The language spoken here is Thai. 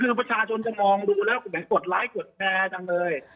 คือประชาชนจะมองดูแล้วกดไลคดแชร์จังเลย